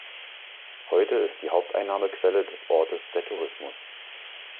Heute ist die Haupteinnahmequelle des Ortes der Tourismus.